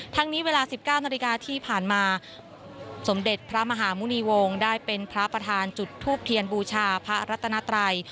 นี้เวลา๑๙นาฬิกาที่ผ่านมาสมเด็จพระมหาหมุณีวงศ์ได้เป็นพระประธานจุดทูบเทียนบูชาพระรัตนาไตร